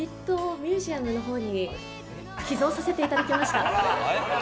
ミュージアムの方に寄贈させていただきました。